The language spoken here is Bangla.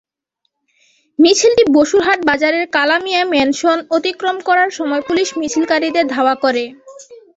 মিছিলটি বসুরহাট বাজারের কালামিয়া ম্যানশন অতিক্রম করার সময় পুলিশ মিছিলকারীদের ধাওয়া করে।